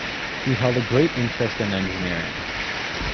He held a great interest in engineering.